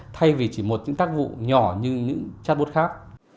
thay vì chỉ một những tác vụ nhỏ như những chatbot khác